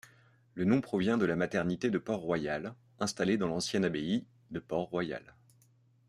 Le nom provient de la maternité de Port-Royal, installée dans l'ancienne abbaye de Port-Royal.